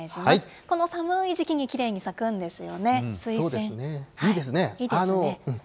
この寒い時期にきれいに咲くんですよね、スイセン。